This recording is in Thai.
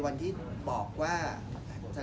แล้วแต่เราคิดว่า